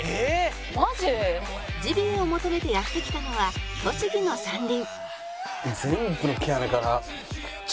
ジビエを求めてやって来たのは栃木の山林